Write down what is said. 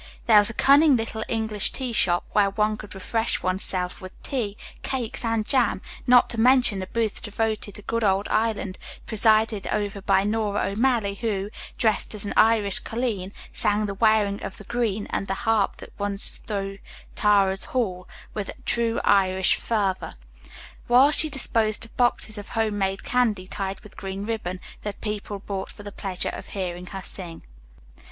There was a cunning little English tea shop, where one could refresh one's self with tea, cakes and jam, not to mention the booth devoted to good old Ireland, presided over by Nora O'Malley who, dressed as an Irish colleen, sang the "Wearing of the Green" and "The Harp That Once Thro' Tara's Hall," with true Irish fervor, while she disposed of boxes of home made candy tied with green ribbon that people bought for the pleasure of hearing her sing.